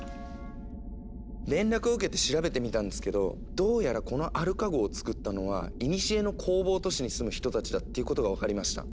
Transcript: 連絡を受けて調べてみたんですけどどうやらこのアルカ号をつくったのはいにしえの工房都市に住む人たちだっていうことが分かりました。